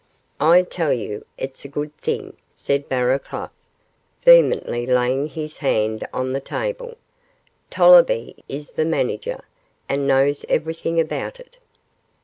'I tell you it's a good thing,' said Barraclough, vehemently laying his hand on the table; 'Tollerby is the manager, and knows everything about it.